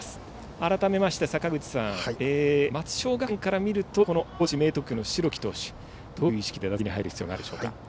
改めまして、坂口さん松商学園から見ると高知・明徳義塾の代木投手どういう意識で打席に入る必要があるでしょうか？